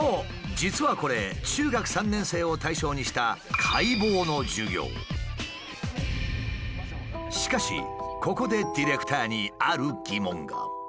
実はこれ中学３年生を対象にしたしかしここでディレクターにある疑問が。